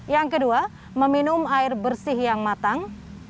yang kedua meminum air bersih yang matang